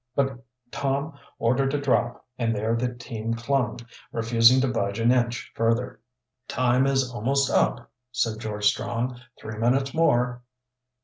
But Tom ordered a drop and there the team clung, refusing to budge an inch further. "Time is almost up," said George Strong. "Three minutes more!"